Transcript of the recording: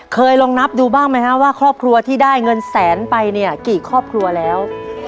เคยลองนับดูบ้างไหมฮะว่าครอบครัวที่ได้เงินแสนไปเนี่ยกี่ครอบครัวแล้ว